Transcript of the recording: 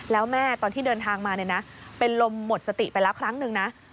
แล้วแม่ตอนที่เดินทางมาเนี่ยนะเป็นลมหมดสติไปแล้วครั้งหนึ่งนะ